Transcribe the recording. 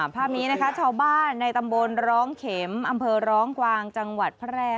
ภาพนี้นะคะชาวบ้านในตำบลร้องเข็มอำเภอร้องกวางจังหวัดแพร่